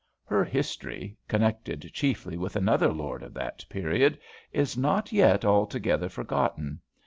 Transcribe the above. Her "history," connected chiefly with another lord of that period, is not yet altogether forgotten.